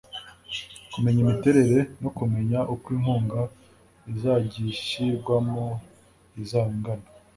kumenya imiterere no kumenya uko inkunga izagishyirwamo izaba ingana